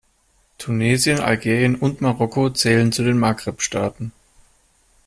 Tunesien, Algerien und Marokko zählen zu den Maghreb-Staaten.